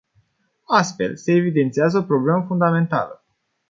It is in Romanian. Astfel, se evidențiază o problemă fundamentală.